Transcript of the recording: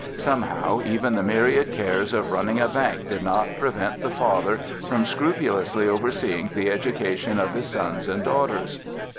Somehow even the myriad cares of running a bank did not prevent the father from scrupulously overseeing the education of his sons and daughters.